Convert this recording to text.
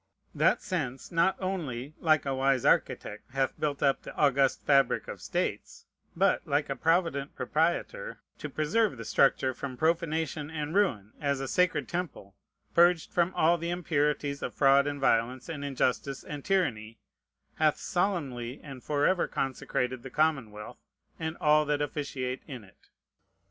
That sense not only, like a wise architect, hath built up the august fabric of states, but, like a provident proprietor, to preserve the structure from profanation and ruin, as a sacred temple, purged from all the impurities of fraud and violence and injustice and tyranny, hath solemnly and forever consecrated the commonwealth, and all that officiate in it.